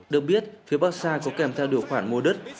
được biết phía barca có kèm theo điều khoản mua đất